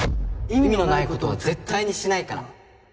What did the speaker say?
意味のない事は絶対にしないから。